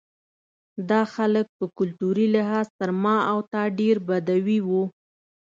دا خلک په کلتوري لحاظ تر ما او تا ډېر بدوي وو.